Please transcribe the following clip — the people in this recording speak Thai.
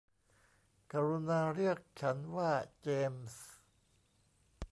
กรุณาเรียกฉันว่าเจมส์